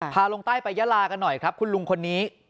ลงใต้ไปยาลากันหน่อยครับคุณลุงคนนี้